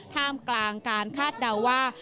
ท่ามกลางการคาดเดาว่า